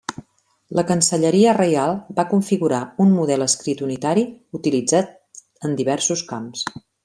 La Cancelleria reial va configurar un model escrit unitari utilitzat en diversos camps.